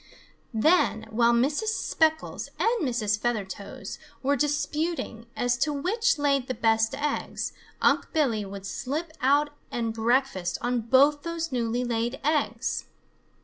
Then, while Mrs. Speckles and Mrs. Feathertoes were disputing as to which laid the best eggs, Unc' Billy would slip out and breakfast on both those newly laid eggs.